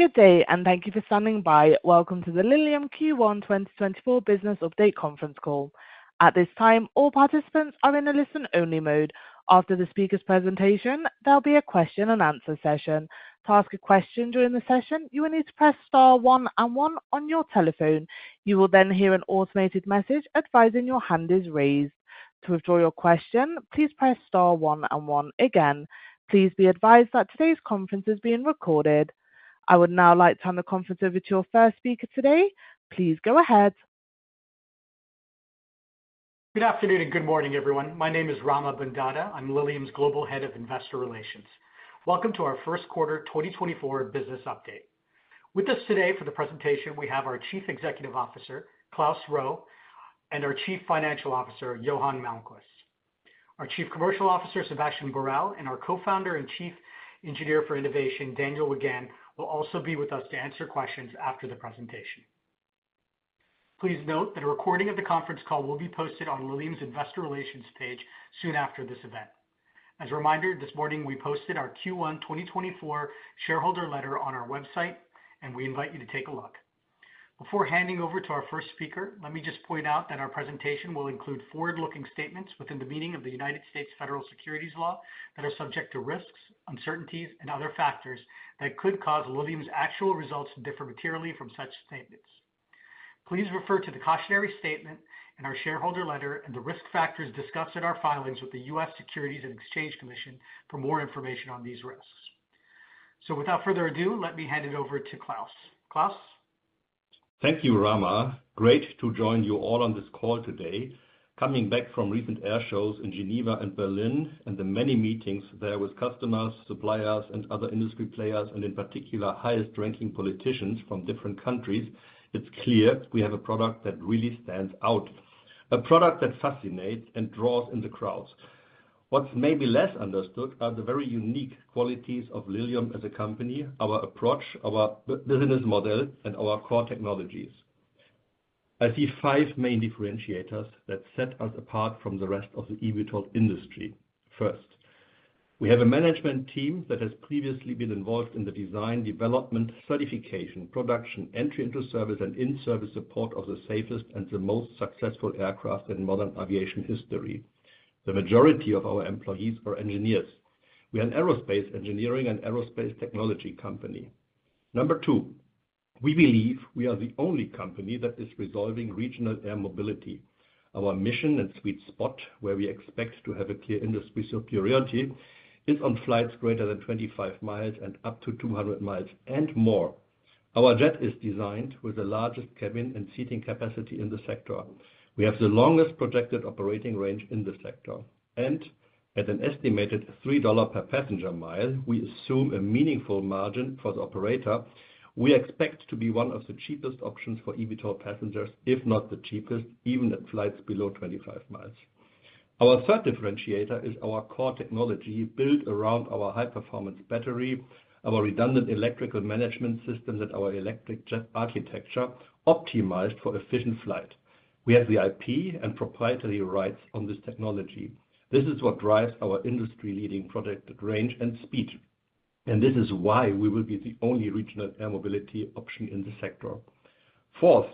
Good day, and thank you for standing by. Welcome to the Lilium Q1 2024 business update conference call. At this time, all participants are in a listen-only mode. After the speaker's presentation, there'll be a question-and-answer session. To ask a question during the session, you will need to press star one and one on your telephone. You will then hear an automated message advising your hand is raised. To withdraw your question, please press star one and one again. Please be advised that today's conference is being recorded. I would now like to hand the conference over to your first speaker today. Please go ahead. Good afternoon and good morning, everyone. My name is Rama Bondada. I'm Lilium's Global Head of Investor Relations. Welcome to our first quarter 2024 Business Update. With us today for the presentation, we have our Chief Executive Officer, Klaus Roewe, and our Chief Financial Officer, Johan Malmqvist. Our Chief Commercial Officer, Sebastien Borel, and our Co-founder and Chief Engineer for Innovation, Daniel Wiegand, will also be with us to answer questions after the presentation. Please note that a recording of the conference call will be posted on Lilium's Investor Relations page soon after this event. As a reminder, this morning we posted our Q1 2024 shareholder letter on our website, and we invite you to take a look. Before handing over to our first speaker, let me just point out that our presentation will include forward-looking statements within the meaning of the United States Federal Securities Law that are subject to risks, uncertainties, and other factors that could cause Lilium's actual results to differ materially from such statements. Please refer to the cautionary statement in our shareholder letter and the risk factors discussed at our filings with the U.S. Securities and Exchange Commission for more information on these risks. So, without further ado, let me hand it over to Klaus. Klaus? Thank you, Rama. Great to join you all on this call today. Coming back from recent air shows in Geneva and Berlin and the many meetings there with customers, suppliers, and other industry players, and in particular, highest-ranking politicians from different countries, it's clear we have a product that really stands out. A product that fascinates and draws in the crowds. What's maybe less understood are the very unique qualities of Lilium as a company, our approach, our business model, and our core technologies. I see five main differentiators that set us apart from the rest of the eVTOL industry. First, we have a management team that has previously been involved in the design, development, certification, production, entry into service, and in-service support of the safest and the most successful aircraft in modern aviation history. The majority of our employees are engineers. We are an aerospace engineering and aerospace technology company. Number two, we believe we are the only company that is resolving regional air mobility. Our mission and sweet spot, where we expect to have a clear industry superiority, is on flights greater than 25 mi and up to 200 mi and more. Our jet is designed with the largest cabin and seating capacity in the sector. We have the longest projected operating range in the sector. At an estimated $3 per passenger mile, we assume a meaningful margin for the operator. We expect to be one of the cheapest options for eVTOL passengers, if not the cheapest, even at flights below 25 mi. Our third differentiator is our core technology built around our high-performance battery, our redundant electrical management system, and our electric jet architecture optimized for efficient flight. We have the IP and proprietary rights on this technology. This is what drives our industry-leading projected range and speed. This is why we will be the only regional air mobility option in the sector. Fourth,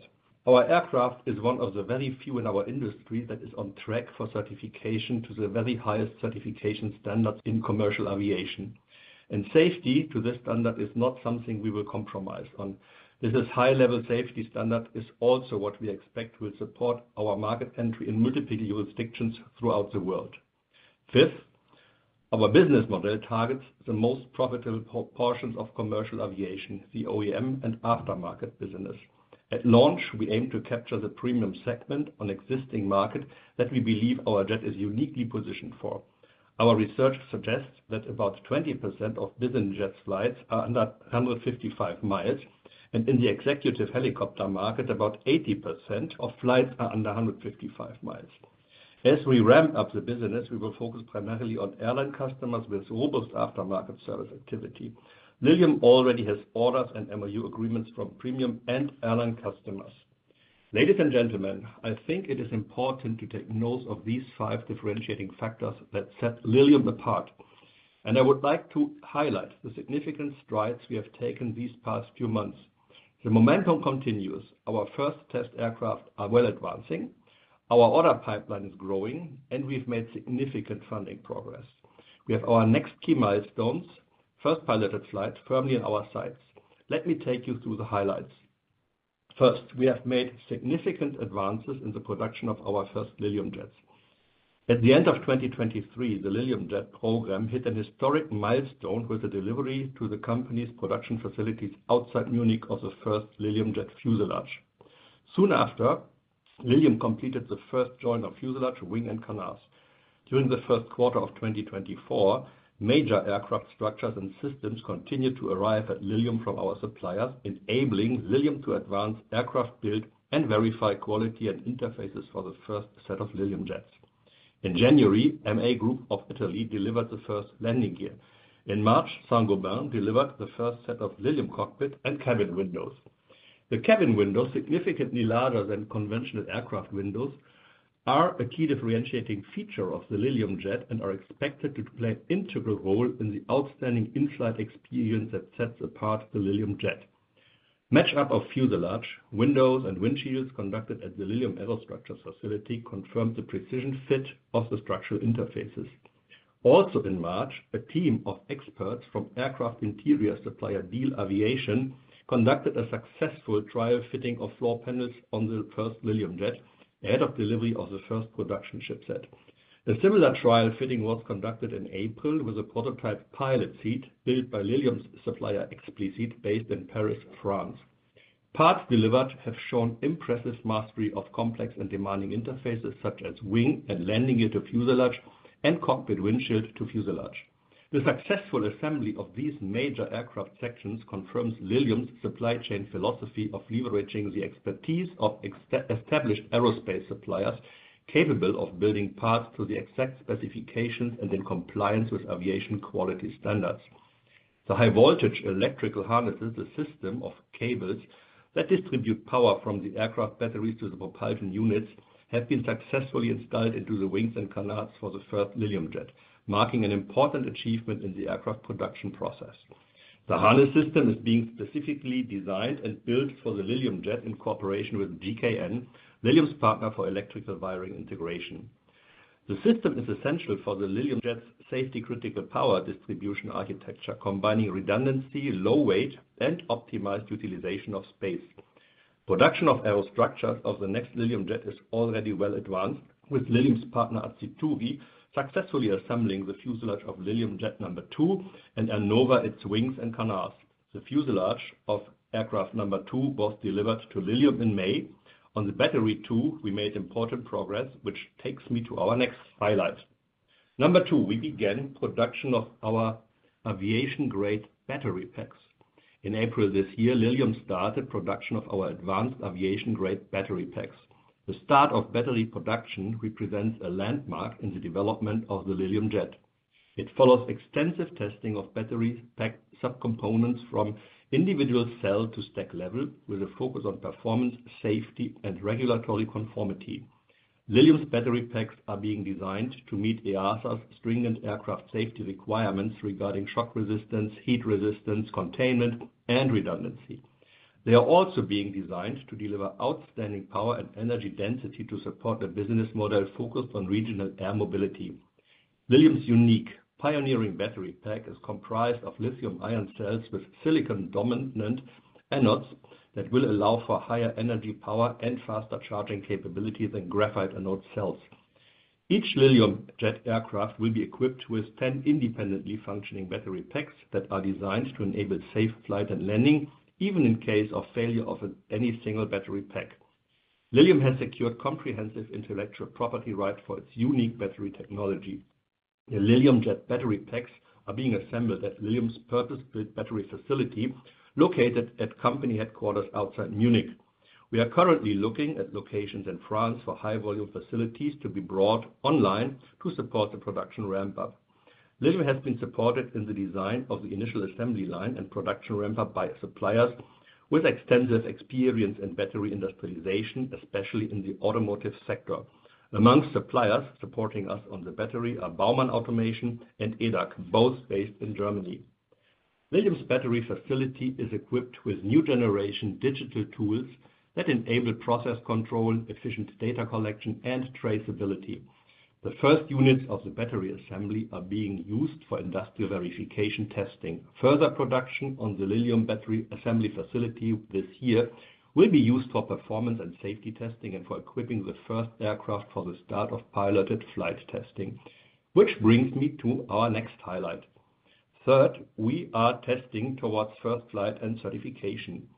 our aircraft is one of the very few in our industry that is on track for certification to the very highest certification standards in commercial aviation. Safety to this standard is not something we will compromise on. This high-level safety standard is also what we expect will support our market entry in multiple jurisdictions throughout the world. Fifth, our business model targets the most profitable portions of commercial aviation, the OEM and aftermarket business. At launch, we aim to capture the premium segment on the existing market that we believe our jet is uniquely positioned for. Our research suggests that about 20% of business jet flights are under 155 mi, and in the executive helicopter market, about 80% of flights are under 155 mi. As we ramp up the business, we will focus primarily on airline customers with robust aftermarket service activity. Lilium already has orders and MoU agreements from premium and airline customers. Ladies and gentlemen, I think it is important to take note of these five differentiating factors that set Lilium apart. I would like to highlight the significant strides we have taken these past few months. The momentum continues. Our first test aircraft are well advancing. Our order pipeline is growing, and we've made significant funding progress. We have our next key milestones, first piloted flight, firmly in our sights. Let me take you through the highlights. First, we have made significant advances in the production of our first Lilium Jets. At the end of 2023, the Lilium Jet program hit a historic milestone with the delivery to the company's production facilities outside Munich of the first Lilium Jet fuselage. Soon after, Lilium completed the first joint of fuselage, wing, and canards. During the first quarter of 2024, major aircraft structures and systems continued to arrive at Lilium from our suppliers, enabling Lilium to advance aircraft build and verify quality and interfaces for the first set of Lilium Jets. In January, MA Group of Italy delivered the first landing gear. In March, Saint-Gobain delivered the first set of Lilium Jet cockpit and cabin windows. The cabin windows, significantly larger than conventional aircraft windows, are a key differentiating feature of the Lilium Jet and are expected to play an integral role in the outstanding in-flight experience that sets apart the Lilium Jet. Match-up of fuselage, windows, and windshields conducted at the Lilium Aerostructures facility confirmed the precision fit of the structural interfaces. Also, in March, a team of experts from aircraft interior supplier Diehl Aviation conducted a successful trial fitting of floor panels on the first Lilium Jet ahead of delivery of the first production shipset. A similar trial fitting was conducted in April with a prototype pilot seat built by Lilium's supplier Expliseat, based in Paris, France. Parts delivered have shown impressive mastery of complex and demanding interfaces such as wing and landing gear to fuselage and cockpit windshield to fuselage. The successful assembly of these major aircraft sections confirms Lilium's supply chain philosophy of leveraging the expertise of established aerospace suppliers capable of building parts to the exact specifications and in compliance with aviation quality standards. The high-voltage electrical harnesses, the system of cables that distribute power from the aircraft batteries to the propulsion units, have been successfully installed into the wings and canards for the first Lilium Jet, marking an important achievement in the aircraft production process. The harness system is being specifically designed and built for the Lilium Jet in cooperation with GKN, Lilium's partner for electrical wiring integration. The system is essential for the Lilium Jet's safety-critical power distribution architecture, combining redundancy, low weight, and optimized utilization of space. Production of aero structures of the next Lilium Jet is already well advanced, with Lilium's partner Aciturri successfully assembling the fuselage of Lilium Jet number two and Aernnova, its wings and canards. The fuselage of aircraft number two was delivered to Lilium in May. On the battery two, we made important progress, which takes me to our next highlight. Number two, we began production of our aviation-grade battery packs. In April this year, Lilium started production of our advanced aviation-grade battery packs. The start of battery production represents a landmark in the development of the Lilium Jet. It follows extensive testing of battery pack subcomponents from individual cell to stack level, with a focus on performance, safety, and regulatory conformity. Lilium's battery packs are being designed to meet EASA's stringent aircraft safety requirements regarding shock resistance, heat resistance, containment, and redundancy. They are also being designed to deliver outstanding power and energy density to support a business model focused on regional air mobility. Lilium's unique pioneering battery pack is comprised of lithium-ion cells with silicon-dominant anodes that will allow for higher energy power and faster charging capability than graphite anode cells. Each Lilium Jet aircraft will be equipped with 10 independently functioning battery packs that are designed to enable safe flight and landing, even in case of failure of any single battery pack. Lilium has secured comprehensive intellectual property rights for its unique battery technology. The Lilium Jet battery packs are being assembled at Lilium's purpose-built battery facility located at company headquarters outside Munich. We are currently looking at locations in France for high-volume facilities to be brought online to support the production ramp-up. Lilium has been supported in the design of the initial assembly line and production ramp-up by suppliers with extensive experience in battery industrialization, especially in the automotive sector. Amongst suppliers supporting us on the battery are Baumann Automation and EDAG, both based in Germany. Lilium's battery facility is equipped with new-generation digital tools that enable process control, efficient data collection, and traceability. The first units of the battery assembly are being used for industrial verification testing. Further production on the Lilium battery assembly facility this year will be used for performance and safety testing and for equipping the first aircraft for the start of piloted flight testing, which brings me to our next highlight. Third, we are testing towards first flight and certification.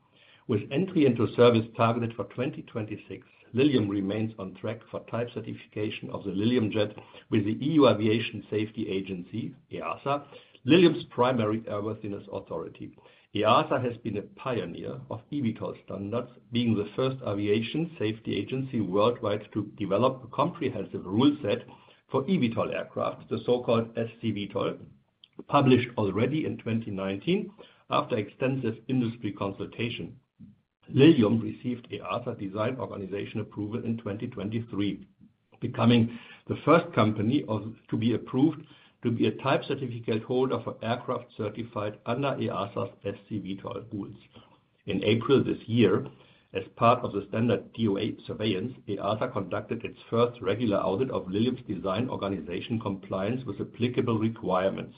With entry into service targeted for 2026, Lilium remains on track for type certification of the Lilium Jet with the EU Aviation Safety Agency, EASA, Lilium's primary airworthiness authority. EASA has been a pioneer of eVTOL standards, being the first aviation safety agency worldwide to develop a comprehensive rule set for eVTOL aircraft, the so-called SC-VTOL, published already in 2019 after extensive industry consultation. Lilium received EASA design organization approval in 2023, becoming the first company to be approved to be a type certificate holder for aircraft certified under EASA's SC-VTOL rules. In April this year, as part of the standard DOA surveillance, EASA conducted its first regular audit of Lilium's design organization compliance with applicable requirements.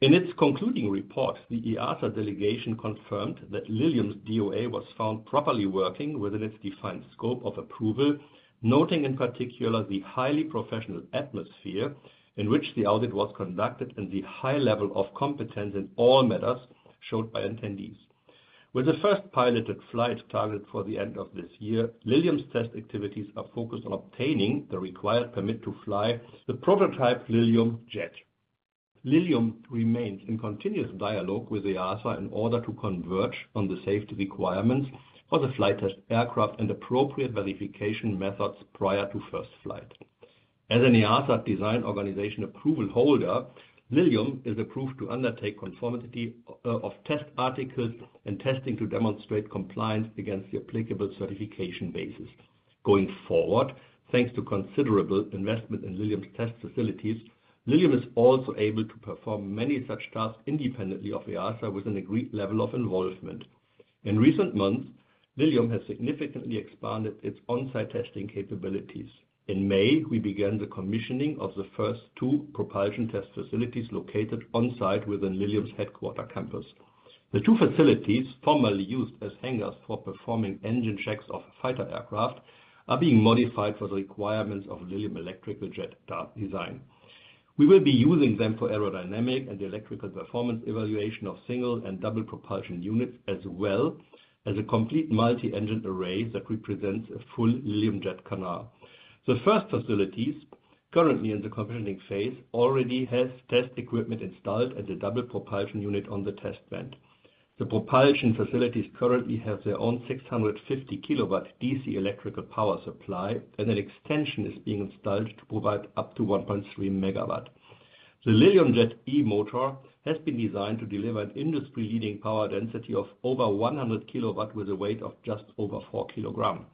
In its concluding report, the EASA delegation confirmed that Lilium's DOA was found properly working within its defined scope of approval, noting in particular the highly professional atmosphere in which the audit was conducted and the high level of competence in all matters shown by attendees. With the first piloted flight targeted for the end of this year, Lilium's test activities are focused on obtaining the required permit to fly the prototype Lilium Jet. Lilium remains in continuous dialogue with EASA in order to converge on the safety requirements for the flight test aircraft and appropriate verification methods prior to first flight. As an EASA design organization approval holder, Lilium is approved to undertake conformity of test articles and testing to demonstrate compliance against the applicable certification basis. Going forward, thanks to considerable investment in Lilium's test facilities, Lilium is also able to perform many such tasks independently of EASA with an agreed level of involvement. In recent months, Lilium has significantly expanded its on-site testing capabilities. In May, we began the commissioning of the first two propulsion test facilities located on-site within Lilium's headquarters campus. The two facilities, formerly used as hangars for performing engine checks of fighter aircraft, are being modified for the requirements of Lilium electrical jet design. We will be using them for aerodynamic and electrical performance evaluation of single and double propulsion units, as well as a complete multi-engine array that represents a full Lilium Jet canard. The first facilities, currently in the commissioning phase, already have test equipment installed and a double propulsion unit on the test bed. The propulsion facilities currently have their own 650 kW DC electrical power supply, and an extension is being installed to provide up to 1.3 MW. The Lilium Jet e-motor has been designed to deliver an industry-leading power density of over 100 kW with a weight of just over 4 kg.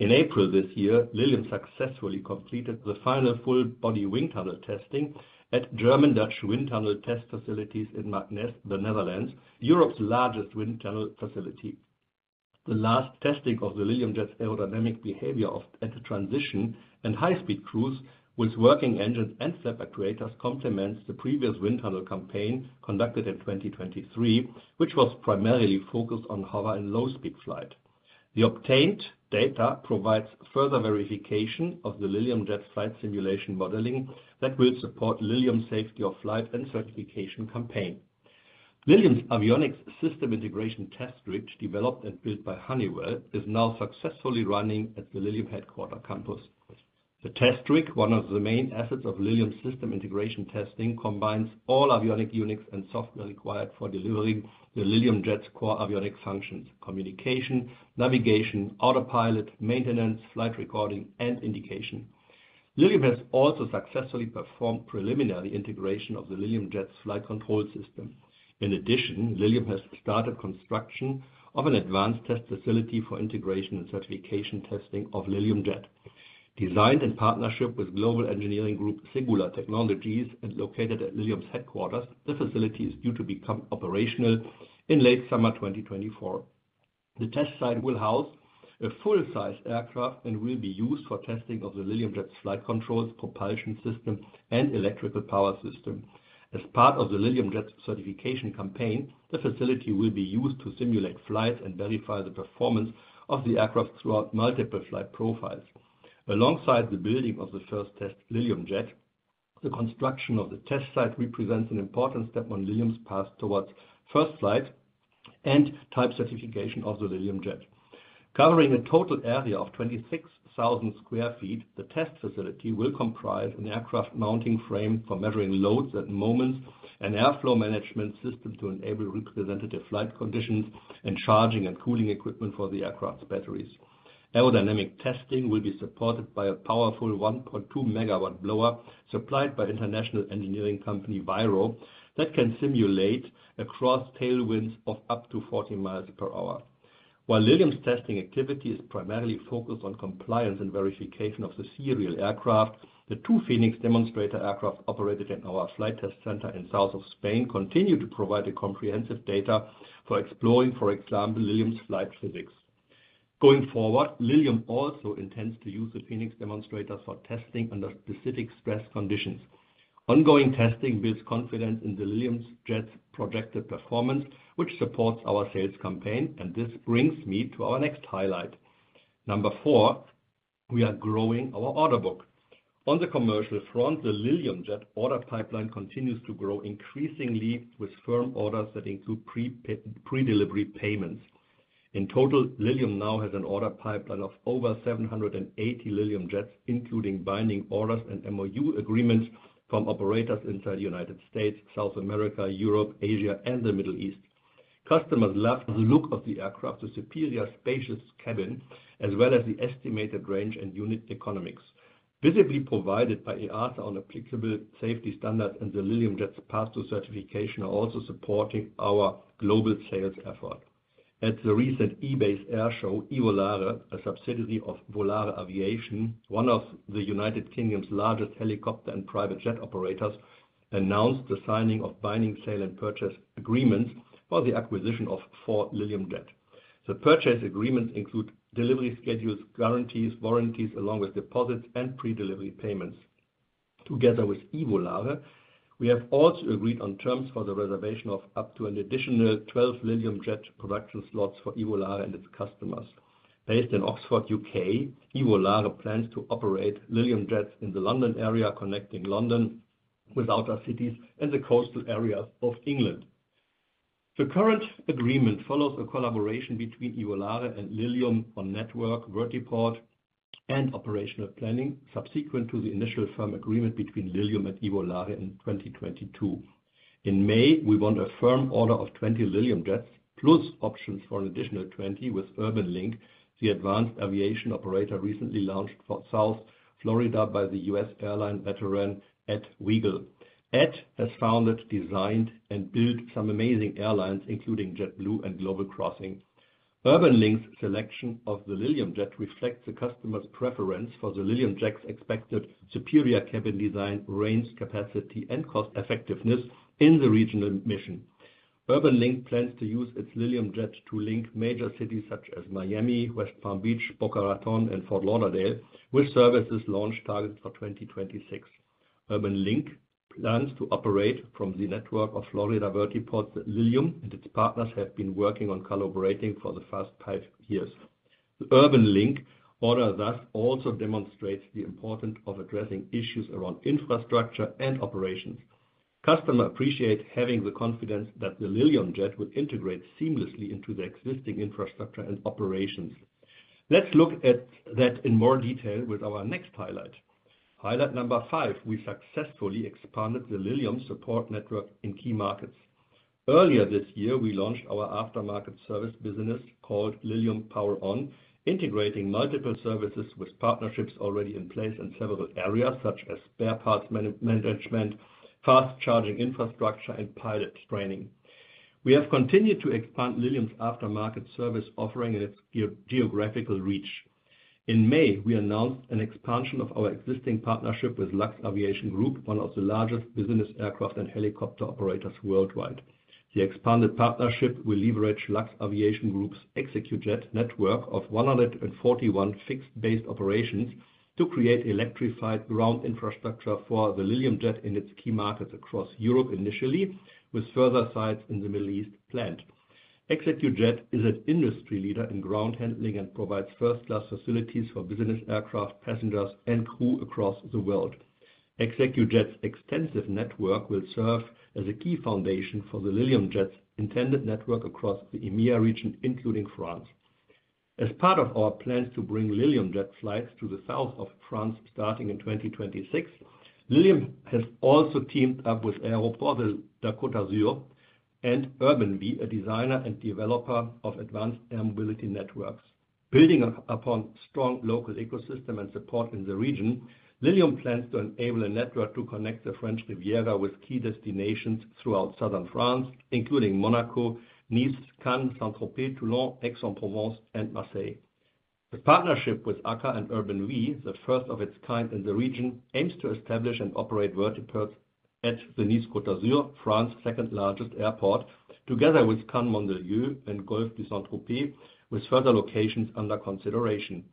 In April this year, Lilium successfully completed the final full-body wind tunnel testing at German-Dutch wind tunnel test facilities in Marknesse, the Netherlands, Europe's largest wind tunnel facility. The last testing of the Lilium Jet's aerodynamic behavior at the transition and high-speed cruise with working engines and separate actuators complements the previous wind tunnel campaign conducted in 2023, which was primarily focused on hover and low-speed flight. The obtained data provides further verification of the Lilium Jet flight simulation modeling that will support Lilium's safety of flight and certification campaign. Lilium's avionics system integration test rig, developed and built by Honeywell, is now successfully running at the Lilium headquarters campus. The test rig, one of the main assets of Lilium's system integration testing, combines all avionic units and software required for delivering the Lilium Jet's core avionic functions: communication, navigation, autopilot, maintenance, flight recording, and indication. Lilium has also successfully performed preliminary integration of the Lilium Jet's flight control system. In addition, Lilium has started construction of an advanced test facility for integration and certification testing of Lilium Jet. Designed in partnership with global engineering group Segula Technologies and located at Lilium's headquarters, the facility is due to become operational in late summer 2024. The test site will house a full-size aircraft and will be used for testing of the Lilium Jet's flight controls, propulsion system, and electrical power system. As part of the Lilium Jet's certification campaign, the facility will be used to simulate flights and verify the performance of the aircraft throughout multiple flight profiles. Alongside the building of the first test Lilium Jet, the construction of the test site represents an important step on Lilium's path towards first flight and Type Certification of the Lilium Jet. Covering a total area of 26,000 sq ft, the test facility will comprise an aircraft mounting frame for measuring loads at moments and airflow management system to enable representative flight conditions and charging and cooling equipment for the aircraft's batteries. Aerodynamic testing will be supported by a powerful 1.2 MW blower supplied by international engineering company VIRO that can simulate cross tailwinds of up to 40 mi per hours. While Lilium's testing activity is primarily focused on compliance and verification of the serial aircraft, the two Phoenix demonstrator aircraft operated in our flight test center in the south of Spain continue to provide comprehensive data for exploring, for example, Lilium's flight physics. Going forward, Lilium also intends to use the Phoenix demonstrators for testing under specific stress conditions. Ongoing testing builds confidence in the Lilium Jet's projected performance, which supports our sales campaign, and this brings me to our next highlight. Number four, we are growing our order book. On the commercial front, the Lilium Jet order pipeline continues to grow increasingly with firm orders that include pre-delivery payments. In total, Lilium now has an order pipeline of over 780 Lilium Jets, including binding orders and MOU agreements from operators inside the United States, South America, Europe, Asia, and the Middle East. Customers love the look of the aircraft, the superior spacious cabin, as well as the estimated range and unit economics. Visibility provided by EASA on applicable safety standards and the Lilium Jet's pass-through certification are also supporting our global sales effort. At the recent EBACE Airshow, Volare, a subsidiary of Volare Aviation, one of the United Kingdom's largest helicopter and private jet operators, announced the signing of binding sale and purchase agreements for the acquisition of four Lilium Jets. The purchase agreements include delivery schedules, guarantees, warranties, along with deposits and pre-delivery payments. Together with Volare, we have also agreed on terms for the reservation of up to an additional 12 Lilium Jet production slots for Volare and its customers. Based in Oxford, U.K., Volare plans to operate Lilium Jets in the London area, connecting London with outer cities and the coastal area of England. The current agreement follows a collaboration between Volare and Lilium on network, vertiport, and operational planning subsequent to the initial firm agreement between Lilium and Volare in 2022. In May, we won a firm order of 20 Lilium Jets, plus options for an additional 20 with UrbanLink, the advanced aviation operator recently launched for South Florida by the U.S. airline veteran Ed Wegel. Ed has founded, designed, and built some amazing airlines, including JetBlue and Global Crossing. UrbanLink's selection of the Lilium Jet reflects the customer's preference for the Lilium Jet's expected superior cabin design, range capacity, and cost-effectiveness in the regional mission. UrbanLink plans to use its Lilium Jet to link major cities such as Miami, West Palm Beach, Boca Raton, and Fort Lauderdale, with services launched targeted for 2026. UrbanLink plans to operate from the network of Florida vertiports that Lilium and its partners have been working on collaborating for the past five years. The UrbanLink order thus also demonstrates the importance of addressing issues around infrastructure and operations. Customers appreciate having the confidence that the Lilium Jet will integrate seamlessly into the existing infrastructure and operations. Let's look at that in more detail with our next highlight. Highlight number five, we successfully expanded the Lilium support network in key markets. Earlier this year, we launched our aftermarket service business called Lilium POWER- ON, integrating multiple services with partnerships already in place in several areas such as spare parts management, fast charging infrastructure, and pilot training. We have continued to expand Lilium's aftermarket service offering and its geographical reach. In May, we announced an expansion of our existing partnership with Luxaviation Group, one of the largest business aircraft and helicopter operators worldwide. The expanded partnership will leverage Luxaviation Group's ExecuJet network of 141 fixed-base operations to create electrified ground infrastructure for the Lilium Jet in its key markets across Europe initially, with further sites in the Middle East planned. ExecuJet is an industry leader in ground handling and provides first-class facilities for business aircraft, passengers, and crew across the world. ExecuJet's extensive network will serve as a key foundation for the Lilium Jet's intended network across the EMEA region, including France. As part of our plans to bring Lilium Jet flights to the south of France starting in 2026, Lilium has also teamed up with Aéroport de la Côte d'Azur and UrbanV, a designer and developer of advanced air mobility networks. Building upon a strong local ecosystem and support in the region, Lilium plans to enable a network to connect the French Riviera with key destinations throughout southern France, including Monaco, Nice, Cannes, Saint-Tropez, Toulon, Aix-en-Provence, and Marseille. The partnership with ACA and UrbanV, the first of its kind in the region, aims to establish and operate vertiports at the Nice Côte d'Azur, France's second-largest airport, together with Cannes-Mandelieu and Golfe de Saint-Tropez, with further locations under consideration.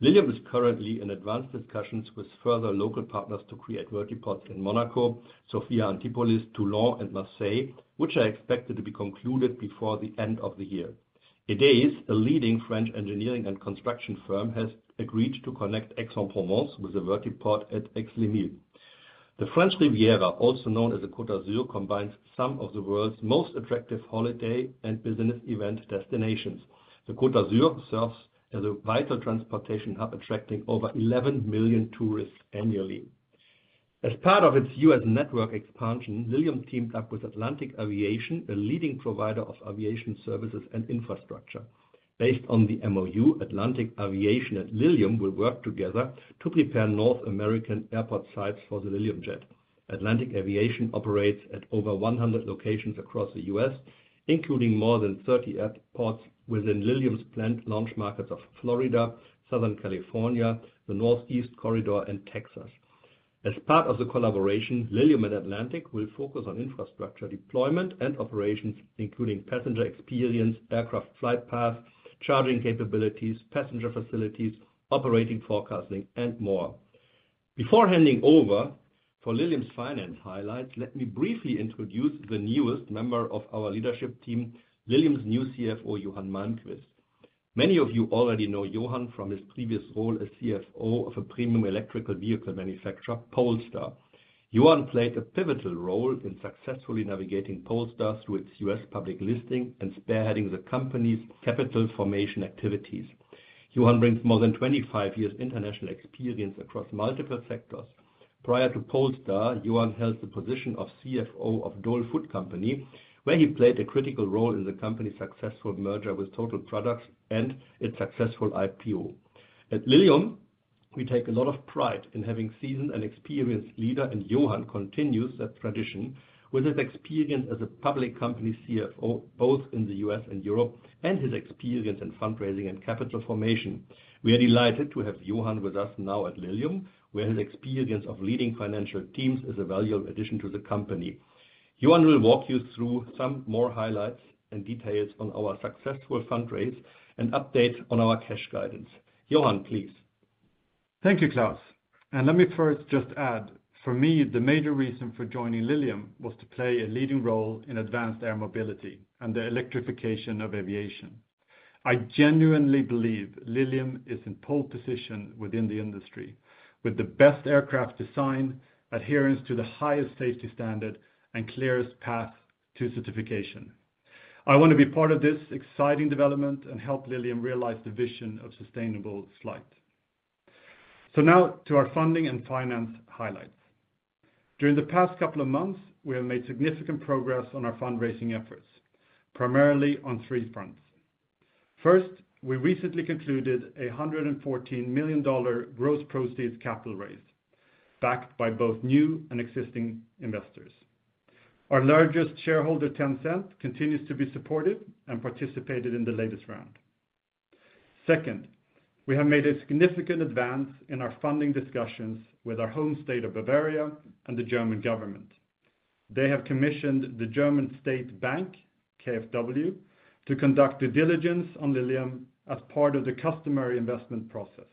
Lilium is currently in advanced discussions with further local partners to create vertiports in Monaco, Sophia Antipolis, Toulon, and Marseille, which are expected to be concluded before the end of the year. EDEIS, a leading French engineering and construction firm, has agreed to connect Aix-en-Provence with a vertiport at Aix-les-Milles. The French Riviera, also known as the Côte d'Azur, combines some of the world's most attractive holiday and business event destinations. The Côte d'Azur serves as a vital transportation hub, attracting over 11 million tourists annually. As part of its U.S. network expansion, Lilium teamed up with Atlantic Aviation, a leading provider of aviation services and infrastructure. Based on the MOU, Atlantic Aviation and Lilium will work together to prepare North American airport sites for the Lilium Jet. Atlantic Aviation operates at over 100 locations across the U.S., including more than 30 airports within Lilium's planned launch markets of Florida, Southern California, the Northeast Corridor, and Texas. As part of the collaboration, Lilium and Atlantic will focus on infrastructure deployment and operations, including passenger experience, aircraft flight path, charging capabilities, passenger facilities, operating forecasting, and more. Before handing over for Lilium's finance highlights, let me briefly introduce the newest member of our leadership team, Lilium's new CFO, Johan Malmqvist. Many of you already know Johan from his previous role as CFO of a premium electric vehicle manufacturer, Polestar. Johan played a pivotal role in successfully navigating Polestar through its U.S. public listing and spearheading the company's capital formation activities. Johan brings more than 25 years of international experience across multiple sectors. Prior to Polestar, Johan held the position of CFO of Dole Food Company, where he played a critical role in the company's successful merger with Total Produce and its successful IPO. At Lilium, we take a lot of pride in having seasoned and experienced leaders, and Johan continues that tradition with his experience as a public company CFO, both in the U.S. and Europe, and his experience in fundraising and capital formation. We are delighted to have Johan with us now at Lilium, where his experience of leading financial teams is a valuable addition to the company. Johan will walk you through some more highlights and details on our successful fundraise and update on our cash guidance. Johan, please. Thank you, Klaus. Let me first just add, for me, the major reason for joining Lilium was to play a leading role in advanced air mobility and the electrification of aviation. I genuinely believe Lilium is in pole position within the industry, with the best aircraft design, adherence to the highest safety standard, and clearest path to certification. I want to be part of this exciting development and help Lilium realize the vision of sustainable flight. Now to our funding and finance highlights. During the past couple of months, we have made significant progress on our fundraising efforts, primarily on three fronts. First, we recently concluded a $114 million gross proceeds capital raise, backed by both new and existing investors. Our largest shareholder, Tencent, continues to be supportive and participated in the latest round. Second, we have made a significant advance in our funding discussions with our home state of Bavaria and the German government. They have commissioned the German state bank, KfW, to conduct due diligence on Lilium as part of the customary investment process.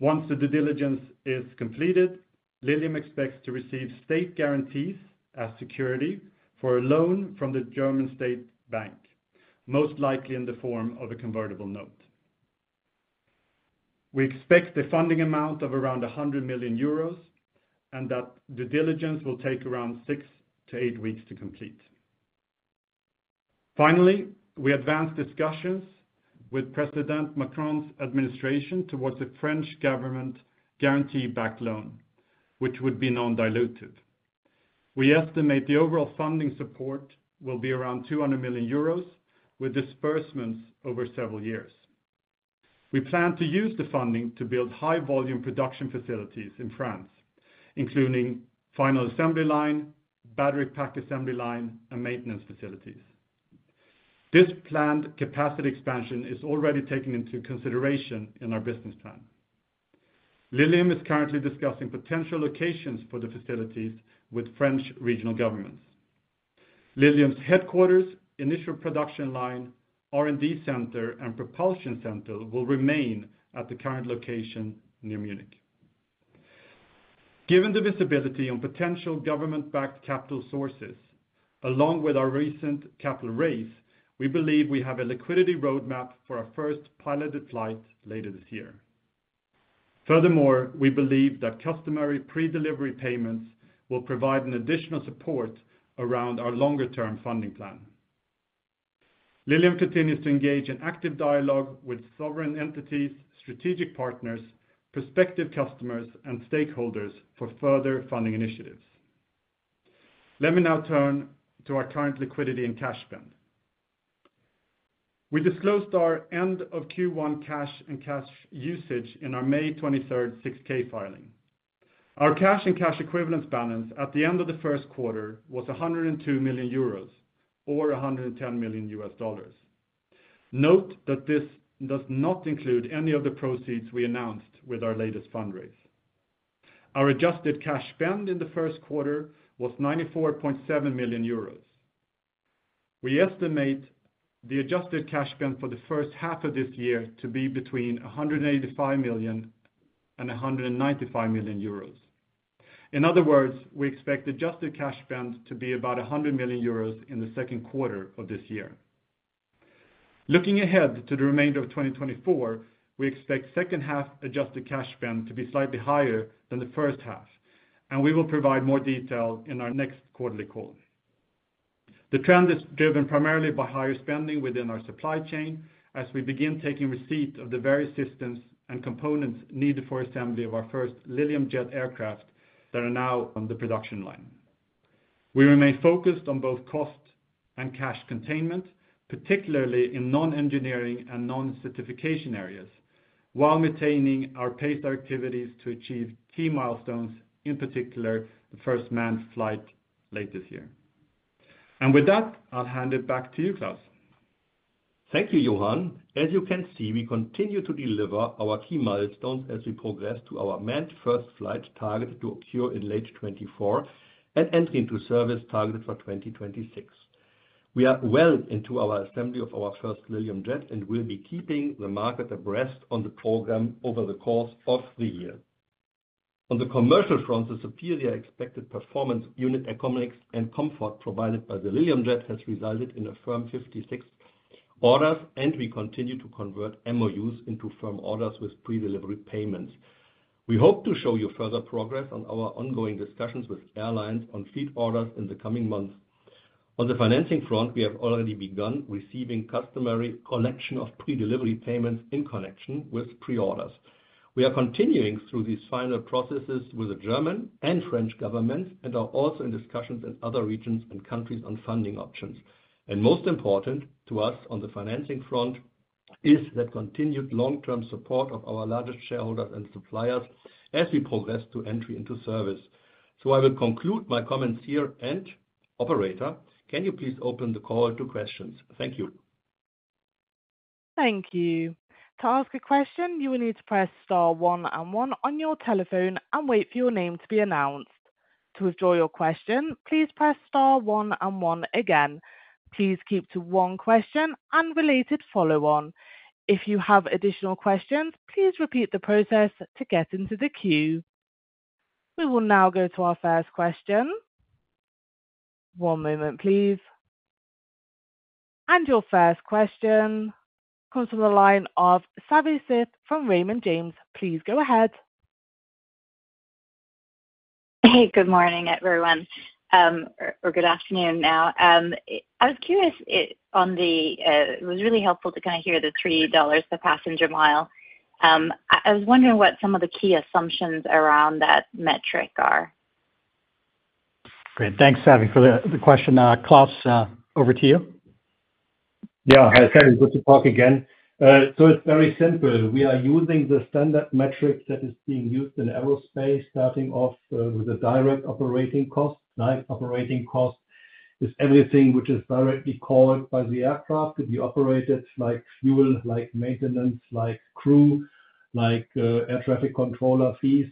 Once the due diligence is completed, Lilium expects to receive state guarantees as security for a loan from the German state bank, most likely in the form of a convertible note. We expect the funding amount of around 100 million euros and that due diligence will take around 6-8 weeks to complete. Finally, we advanced discussions with President Macron's administration towards a French government guarantee-backed loan, which would be non-dilutive. We estimate the overall funding support will be around 200 million euros with disbursements over several years. We plan to use the funding to build high-volume production facilities in France, including final assembly line, battery pack assembly line, and maintenance facilities. This planned capacity expansion is already taken into consideration in our business plan. Lilium is currently discussing potential locations for the facilities with French regional governments. Lilium's headquarters, initial production line, R&D center, and propulsion center will remain at the current location near Munich. Given the visibility on potential government-backed capital sources, along with our recent capital raise, we believe we have a liquidity roadmap for our first piloted flight later this year. Furthermore, we believe that customary pre-delivery payments will provide an additional support around our longer-term funding plan. Lilium continues to engage in active dialogue with sovereign entities, strategic partners, prospective customers, and stakeholders for further funding initiatives. Let me now turn to our current liquidity and cash spend. We disclosed our end-of-Q1 cash and cash usage in our May 23rd 6-K filing. Our cash and cash equivalents balance at the end of the first quarter was 102 million euros or $110 million. Note that this does not include any of the proceeds we announced with our latest fundraise. Our adjusted cash spend in the first quarter was 94.7 million euros. We estimate the adjusted cash spend for the first half of this year to be between 185 million and 195 million euros. In other words, we expect adjusted cash spend to be about 100 million euros in the second quarter of this year. Looking ahead to the remainder of 2024, we expect the second half adjusted cash spend to be slightly higher than the first half, and we will provide more detail in our next quarterly call. The trend is driven primarily by higher spending within our supply chain as we begin taking receipt of the various systems and components needed for assembly of our first Lilium Jet that are now on the production line. We remain focused on both cost and cash containment, particularly in non-engineering and non-certification areas, while maintaining our pace activities to achieve key milestones, in particular the first manned flight late this year. With that, I'll hand it back to you, Klaus. Thank you, Johan. As you can see, we continue to deliver our key milestones as we progress to our manned first flight targeted to occur in late 2024 and enter into service targeted for 2026. We are well into our assembly of our first Lilium Jet and will be keeping the market abreast on the program over the course of the year. On the commercial front, the superior expected performance unit economics and comfort provided by the Lilium Jet has resulted in a firm 56 orders, and we continue to convert MoUs into firm orders with pre-delivery payments. We hope to show you further progress on our ongoing discussions with airlines on fleet orders in the coming months. On the financing front, we have already begun receiving customary collection of pre-delivery payments in connection with pre-orders. We are continuing through these final processes with the German and French governments and are also in discussions in other regions and countries on funding options. Most important to us on the financing front is that continued long-term support of our largest shareholders and suppliers as we progress to entry into service. So I will conclude my comments here, and operator, can you please open the call to questions? Thank you. Thank you. To ask a question, you will need to press star one and one on your telephone and wait for your name to be announced. To withdraw your question, please press star one and one again. Please keep to one question and related follow-on. If you have additional questions, please repeat the process to get into the queue. We will now go to our first question. One moment, please. And your first question comes from the line of Savvy Syth from Raymond James. Please go ahead. Hey, good morning, everyone, or good afternoon now. I was curious on the, it was really helpful to kind of hear the $3 per passenger mile. I was wondering what some of the key assumptions around that metric are. Great. Thanks, Savvy, for the question. Klaus, over to you. Yeah, hi, Savvy. Good to talk again. So it's very simple. We are using the standard metric that is being used in aerospace, starting off with the direct operating cost, live operating cost, with everything which is directly called by the aircraft to be operated, like fuel, like maintenance, like crew, like air traffic controller fees.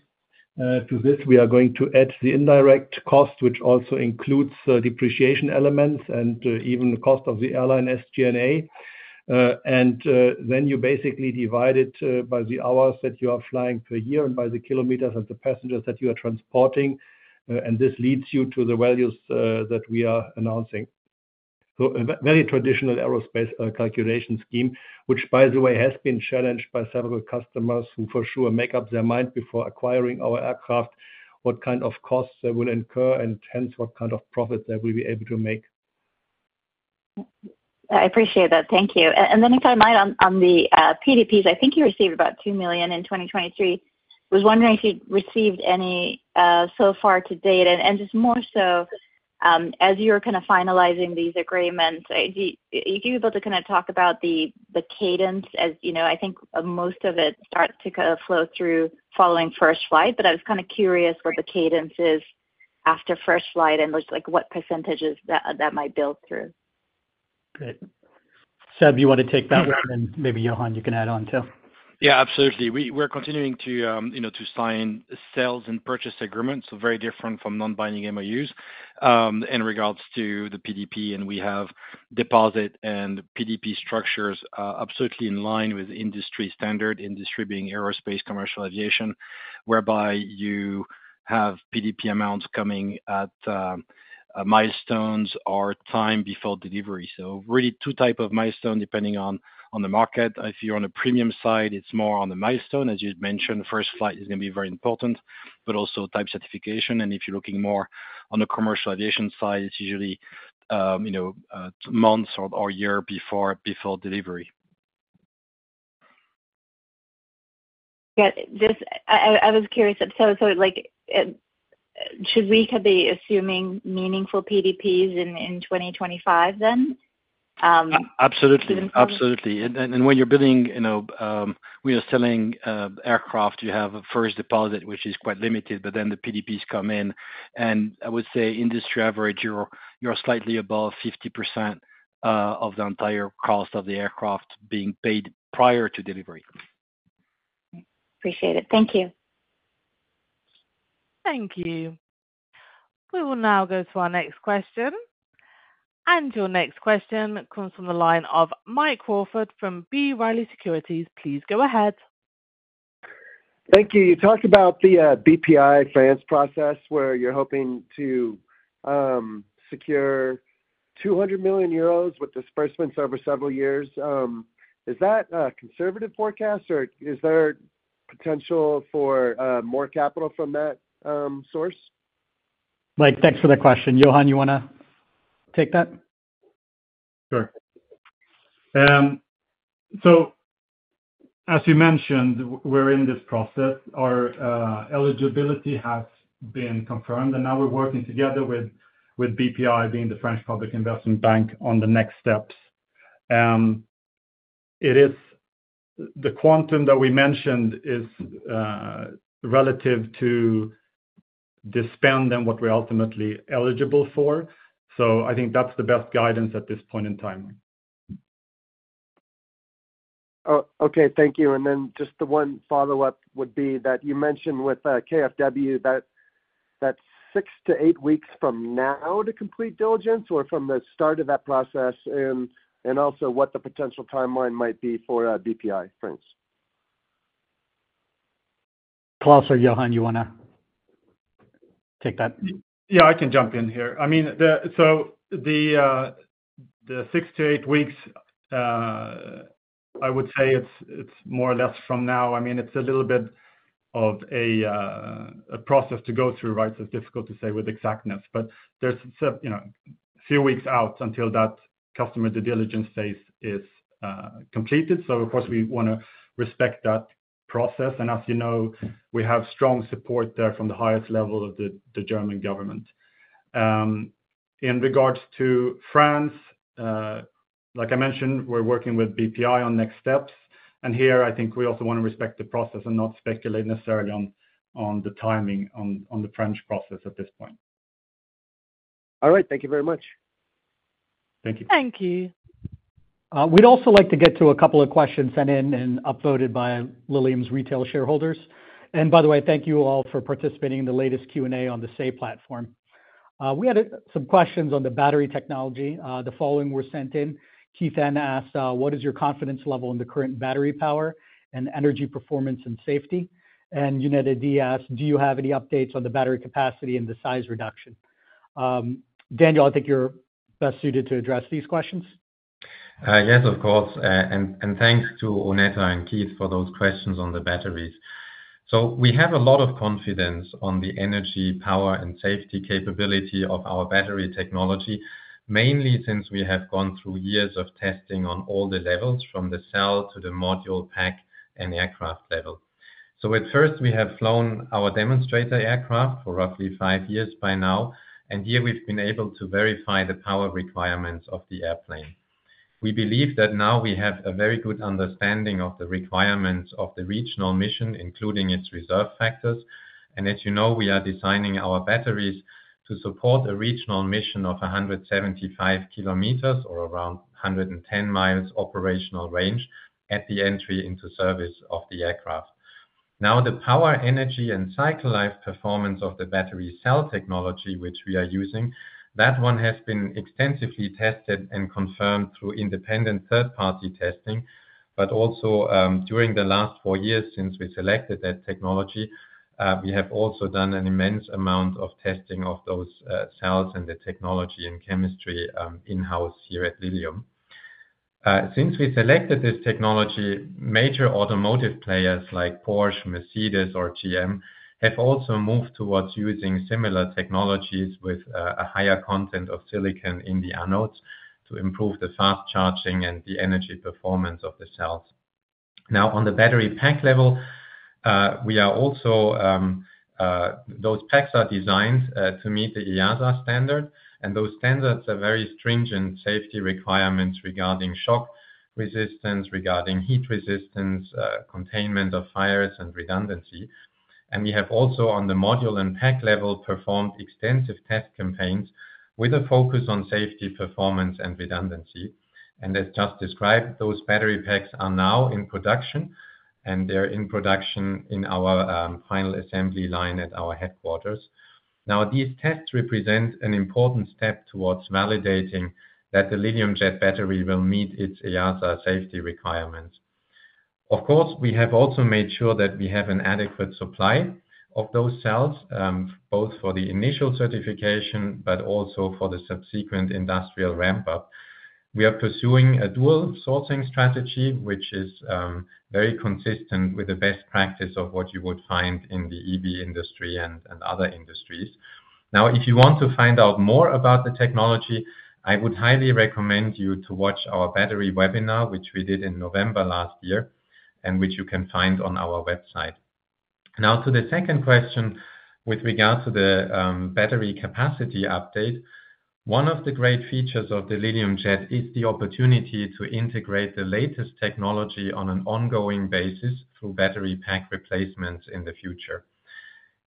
To this, we are going to add the indirect cost, which also includes depreciation elements and even the cost of the airline SG&A. And then you basically divide it by the hours that you are flying per year and by the kilometers and the passengers that you are transporting. And this leads you to the values that we are announcing. So a very traditional aerospace calculation scheme, which, by the way, has been challenged by several customers who for sure make up their mind before acquiring our aircraft, what kind of costs they will incur and hence what kind of profit they will be able to make. I appreciate that. Thank you. And then if I might, on the PDPs, I think you received about $2 million in 2023. I was wondering if you'd received any so far to date, and just more so as you're kind of finalizing these agreements. Are you able to kind of talk about the cadence? As you know, I think most of it starts to flow through following first flight, but I was kind of curious what the cadence is after first flight and what percentages that might build through. Great. Savvy, you want to take that one, and maybe Johan, you can add on too. Yeah, absolutely. We're continuing to sign sales and purchase agreements, so very different from non-binding MoUs in regards to the PDP, and we have deposit and PDP structures absolutely in line with industry standard, industry being aerospace, commercial aviation, whereby you have PDP amounts coming at milestones or time before delivery. So really two types of milestones depending on the market. If you're on the premium side, it's more on the milestone, as you'd mentioned. First flight is going to be very important, but also type certification. And if you're looking more on the commercial aviation side, it's usually months or a year before delivery. I was curious, so should we be assuming meaningful PDPs in 2025 then? Absolutely. Absolutely. When you're building, when you're selling aircraft, you have a first deposit, which is quite limited, but then the PDPs come in. And I would say industry average, you're slightly above 50% of the entire cost of the aircraft being paid prior to delivery. Appreciate it. Thank you. Thank you. We will now go to our next question. And your next question comes from the line of Mike [Crawford] from B. Riley Securities. Please go ahead. Thank you. You talked about the BPI finance process where you're hoping to secure 200 million euros with disbursements over several years. Is that a conservative forecast, or is there potential for more capital from that source? Mike, thanks for the question. Johan, you want to take that? Sure. So as you mentioned, we're in this process. Our eligibility has been confirmed, and now we're working together with BPI, being the French public investment bank, on the next steps. The quantum that we mentioned is relative to the spend and what we're ultimately eligible for. So I think that's the best guidance at this point in time. Okay. Thank you. And then just the one follow-up would be that you mentioned with KfW that 6-8 weeks from now to complete diligence or from the start of that process, and also what the potential timeline might be for Bpifrance. Klaus or Johan, you want to take that? Yeah, I can jump in here. I mean, so the 6-8 weeks, I would say it's more or less from now. I mean, it's a little bit of a process to go through, right? It's difficult to say with exactness, but there's a few weeks out until that customer due diligence phase is completed. Of course, we want to respect that process. As you know, we have strong support there from the highest level of the German government. In regards to France, like I mentioned, we're working with BPI on next steps. Here, I think we also want to respect the process and not speculate necessarily on the timing on the French process at this point. All right. Thank you very much. Thank you. Thank you. We'd also like to get to a couple of questions sent in and upvoted by Lilium's retail shareholders. By the way, thank you all for participating in the latest Q&A on the SAY platform. We had some questions on the battery technology. The following were sent in. Keith N. asked, "What is your confidence level in the current battery power and energy performance and safety?" And Yuneta D. asked, "Do you have any updates on the battery capacity and the size reduction?" Daniel, I think you're best suited to address these questions. Yes, of course. And thanks to Yuneta and Keith for those questions on the batteries. So we have a lot of confidence on the energy, power, and safety capability of our battery technology, mainly since we have gone through years of testing on all the levels from the cell to the module pack and aircraft level. So at first, we have flown our demonstrator aircraft for roughly five years by now, and here we've been able to verify the power requirements of the airplane. We believe that now we have a very good understanding of the requirements of the regional mission, including its reserve factors. As you know, we are designing our batteries to support a regional mission of 175 km or around 110 mi operational range at the entry into service of the aircraft. Now, the power, energy, and cycle life performance of the battery cell technology, which we are using, that one has been extensively tested and confirmed through independent third-party testing, but also during the last four years since we selected that technology, we have also done an immense amount of testing of those cells and the technology and chemistry in-house here at Lilium. Since we selected this technology, major automotive players like Porsche, Mercedes, or GM have also moved towards using similar technologies with a higher content of silicon in the anodes to improve the fast charging and the energy performance of the cells. Now, on the battery pack level, we are also, those packs are designed to meet the EASA standard, and those standards are very stringent safety requirements regarding shock resistance, regarding heat resistance, containment of fires, and redundancy. We have also, on the module and pack level, performed extensive test campaigns with a focus on safety, performance, and redundancy. As just described, those battery packs are now in production, and they're in production in our final assembly line at our headquarters. Now, these tests represent an important step towards validating that the Lilium Jet battery will meet its EASA safety requirements. Of course, we have also made sure that we have an adequate supply of those cells, both for the initial certification but also for the subsequent industrial ramp-up. We are pursuing a dual sourcing strategy, which is very consistent with the best practice of what you would find in the EV industry and other industries. Now, if you want to find out more about the technology, I would highly recommend you to watch our battery webinar, which we did in November last year and which you can find on our website. Now, to the second question with regard to the battery capacity update, one of the great features of the Lilium Jet is the opportunity to integrate the latest technology on an ongoing basis through battery pack replacements in the future.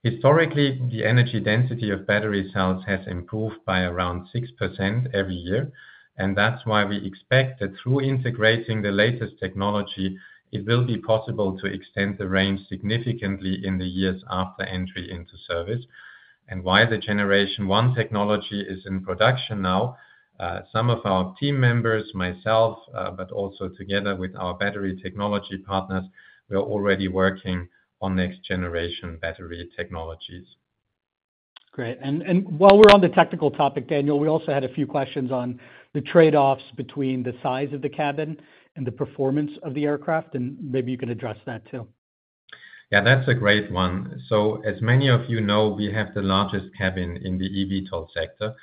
Historically, the energy density of battery cells has improved by around 6% every year, and that's why we expect that through integrating the latest technology, it will be possible to extend the range significantly in the years after entry into service. While the Generation 1 technology is in production now, some of our team members, myself, but also together with our battery technology partners, we are already working on next-generation battery technologies. Great. While we're on the technical topic, Daniel, we also had a few questions on the trade-offs between the size of the cabin and the performance of the aircraft, and maybe you can address that too. Yeah, that's a great one. So as many of you know, we have the largest cabin in the eVTOL sector,